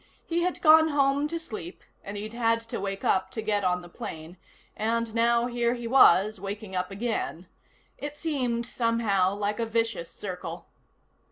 He had gone home to sleep, and he'd had to wake up to get on the plane, and now here he was, waking up again. It seemed, somehow, like a vicious circle.